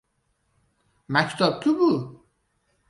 — Maktab- ku bu!